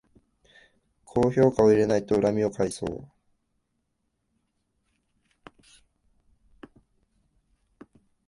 高評価を入れないと恨みを買いそう